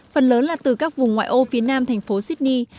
phần lớn là từ các vùng ngoại ô phía nam thành phố sydney